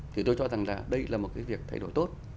thì tôi cho rằng là đây là một cái việc thay đổi tốt